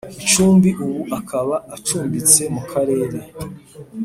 icumbi ubu akaba acumbitse mu Karere